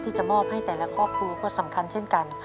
ที่จะมอบให้แต่ละครอบครัวก็สำคัญเช่นกัน